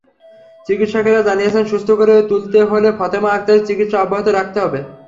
চিকিৎসকেরা জানিয়েছেন, সুস্থ করে তুলতে হলে ফাতেমা আক্তারের চিকিৎসা অব্যাহত রাখতে হবে।